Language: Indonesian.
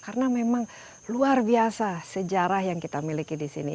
karena memang luar biasa sejarah yang kita miliki di sini